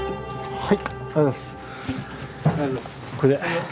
はい。